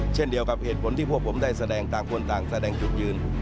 เช่นเดียวกับเหตุผลที่พวกผมได้แสดงต่างคนต่างแสดงจุดยืน